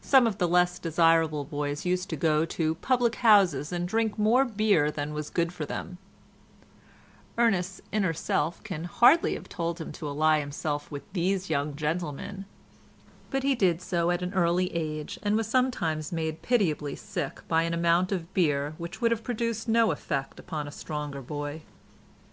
Some of the less desirable boys used to go to public houses and drink more beer than was good for them; Ernest's inner self can hardly have told him to ally himself to these young gentlemen, but he did so at an early age, and was sometimes made pitiably sick by an amount of beer which would have produced no effect upon a stronger boy.